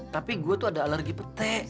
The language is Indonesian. tapi gue tuh ada alergi pete